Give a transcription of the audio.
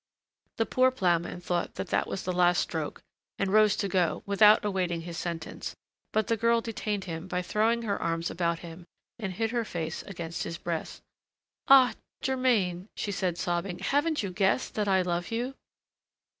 The poor ploughman thought that that was the last stroke, and rose to go, without awaiting his sentence, but the girl detained him by throwing her arms about him, and hid her face against his breast. "Ah! Germain," she said, sobbing, "haven't you guessed that I love you?"